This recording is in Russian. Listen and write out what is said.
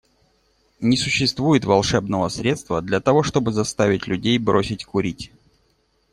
Не существует волшебного средства для того, чтобы заставить людей бросить курить.